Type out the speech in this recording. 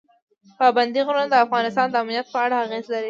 پابندي غرونه د افغانستان د امنیت په اړه اغېز لري.